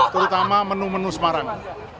terutama menu menu semarang